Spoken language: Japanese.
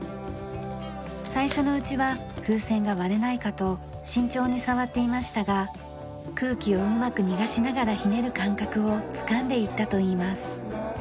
最初のうちは風船が割れないかと慎重に触っていましたが空気をうまく逃がしながらひねる感覚をつかんでいったといいます。